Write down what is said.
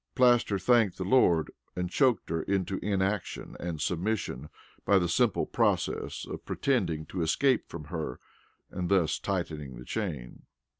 Plaster thanked the Lord and choked her into inaction and submission by the simple process of pretending to escape from her and thus tightening the chain.